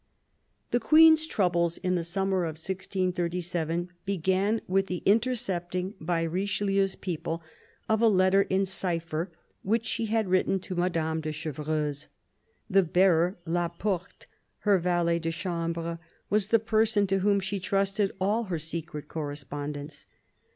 The Queen's troubles in the summer of 1637 began with the intercepting, by Richelieu's people, of a letter in cypher which she had written to Madame de Chevreuse. The bearer, La Porte, her valet de chambre, was the person to whom she trusted all her secret correspondence.